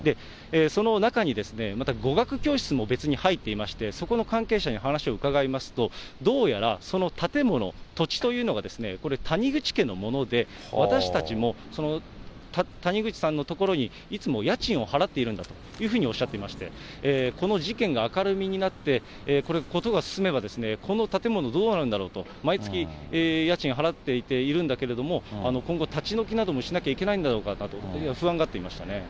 その中にまた語学教室も別に入っていまして、そこの関係者に話を伺いますと、どうやらその建物、土地というのが、これ、谷口家のもので、私たちも谷口さんの所にいつも家賃を払っているんだというふうにおっしゃっていまして、この事件が明るみになって、事が進めば、この建物、どうなるんだろうと、毎月、家賃払っていているんだけれども、今後立ち退きなどもしなきゃいけないんだろうかと、不安がっていましたね。